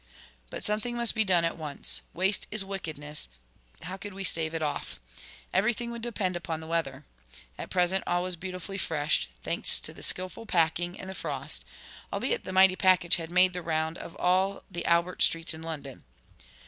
But something must be done at once. Waste is wickedness; how could we stave it off? Everything would depend upon the weather. At present all was beautifully fresh, thanks to the skilful packing and the frost, albeit the mighty package had made the round of all the Albert Streets in London.